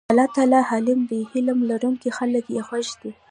الله تعالی حليم دی حِلم لرونکي خلک ئي خوښ دي